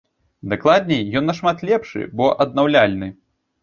Дакладней, ён нашмат лепшы, бо аднаўляльны.